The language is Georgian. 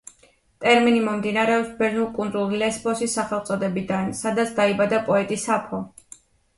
ტერმინი მომდინარეობს ბერძნულ კუნძულ ლესბოსის სახელწოდებიდან, სადაც დაიბადა პოეტი საფო.